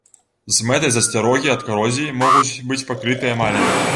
З мэтай засцярогі ад карозіі могуць быць пакрыты эмалямі.